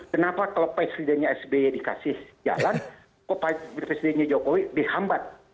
kenapa kalau presidennya sby dikasih jalan kok presidennya jokowi dihambat